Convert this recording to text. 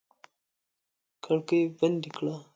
کړکۍ بندې کړه!